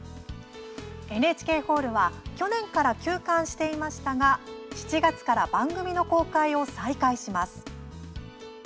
ＮＨＫホールは去年から休館していましたが７月から番組の公開を再開します。